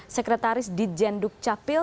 sekretaris di jenduk capil